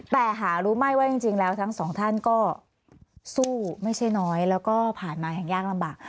แต่หารู้ไหมว่าจริงแล้วทั้งสองท่านก็สู้ไม่ใช่น้อยแล้วก็ผ่านมาอย่างยากลำบาก